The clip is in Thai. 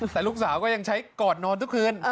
แต่ลูกสาวก็ยังใช้กอดนอนทุกคืน